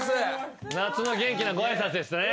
夏の元気なご挨拶でしたね。